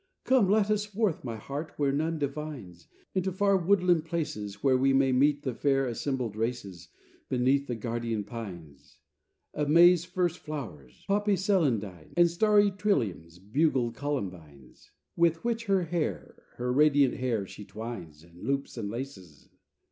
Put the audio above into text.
Come, let us forth, my heart, where none divines! Into far woodland places, Where we may meet the fair assembled races, Beneath the guardian pines, Of May's first flowers.... Poppy celandines, And starry trilliums, bugled columbines, With which her hair, her radiant hair she twines, And loops and laces.